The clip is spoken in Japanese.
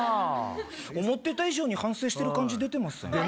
思ってた以上に反省している出ますね。